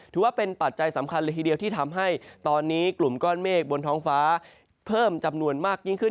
ปัจจัยสำคัญเลยทีเดียวที่ทำให้ตอนนี้กลุ่มก้อนเมฆบนท้องฟ้าเพิ่มจำนวนมากยิ่งขึ้น